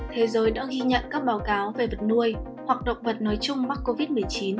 thế giới đã ghi nhận các báo cáo về vật nuôi hoặc động vật nói chung mắc covid một mươi chín